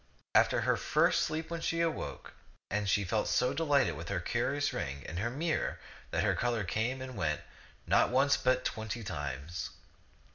After her first sleep she awoke, and she felt so delighted with her curious ring and her mirror that her color came and went, not once but twenty times.